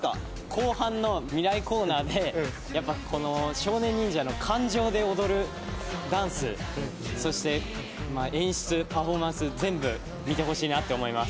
後半のミライコーナーで少年忍者の感情で踊るダンスそして演出、パフォーマンス全部見てほしいなと思います。